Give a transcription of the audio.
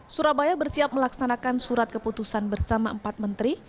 surabaya bersiap melaksanakan surat keputusan bersama empat menteri